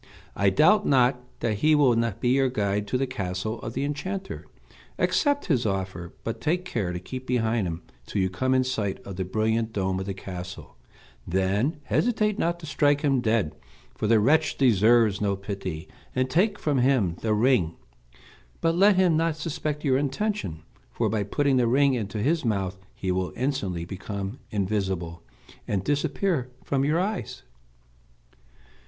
I doubt not that he will be your guide to the castle of the enchanter. Accept his offer, but take care to keep behind him till you come in sight of the brilliant dome of the castle. Then hesitate not to strike him dead, for the wretch deserves no pity, and take from him the ring. But let him not suspect your intention, for by putting the ring into his mouth he will instantly become invisible, and disappear from your eyes."